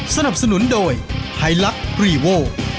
สนับสนุนโดยไฮลักษ์รีโว